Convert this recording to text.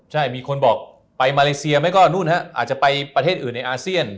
ใช่มีคนบอกไปมาเลเซียไหมก็นู่นฮะอาจจะไปประเทศอื่นในอาเซียน